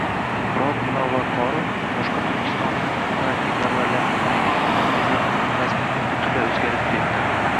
Biroq, Munavvar qori, boshqa turkistonlik taraqqiyparvarlarning harakati bilan gazetaning mazmuni butunlay o'zgarib ketdi.